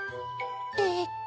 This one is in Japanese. えっと。